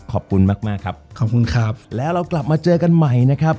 ขอบคุณมากมากครับขอบคุณครับแล้วเรากลับมาเจอกันใหม่นะครับ